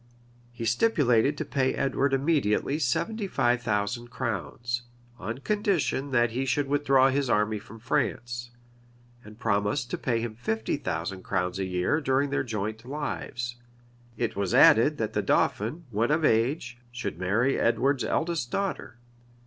He stipulated to pay Edward immediately seventy five thousand crowns, on condition that he should withdraw his army from France, and promised to pay him fifty thousand crowns a year during their joint lives: it was added, that the dauphin, when of age, should marry Edward's eldest daughter.